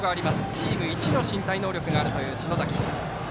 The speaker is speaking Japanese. チーム一の身体能力があるという篠崎。